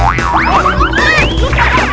tunggu tunggu tunggu